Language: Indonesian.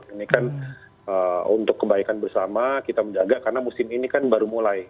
ini kan untuk kebaikan bersama kita menjaga karena musim ini kan baru mulai